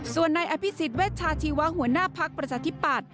ส่วนในอภิษฐ์เวชชาธิวะหัวหน้าพักประชาธิปัตย์